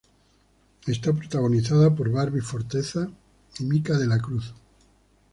Está protagonizada por Barbie Forteza y Mika Dela Cruz.